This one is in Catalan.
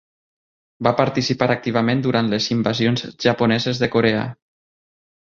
Va participar activament durant les invasions japoneses de Corea.